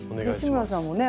志村さんもね